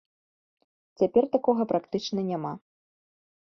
Цяпер такога практычна няма.